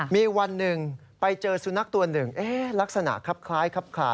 มีวันหนึ่งไปเจอสุนัขตัวหนึ่งลักษณะครับคล้ายครับคลา